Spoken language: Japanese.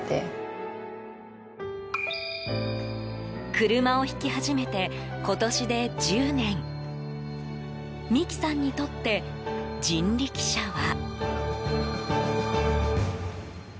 車を引き始めて今年で１０年美希さんにとって人力車は。